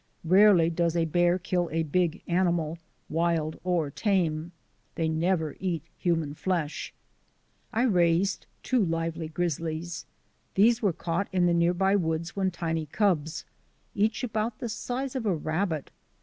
Rarely does a bear kill a big animal, wild or tame. They never eat human flesh. I raised two lively grizzlies. These were caught in the near by woods when tiny cubs, each about the size of a rabbit.